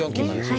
はい。